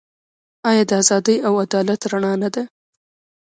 آیا د ازادۍ او عدالت رڼا نه ده؟